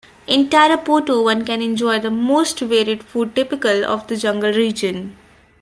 In Tarapoto one can enjoy the most varied food typical of the jungle region.